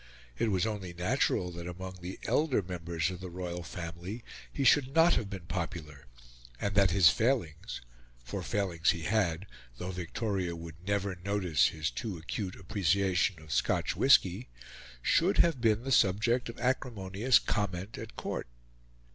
It was only natural that among the elder members of the royal family he should not have been popular, and that his failings for failings he had, though Victoria would never notice his too acute appreciation of Scotch whisky should have been the subject of acrimonious comment at Court.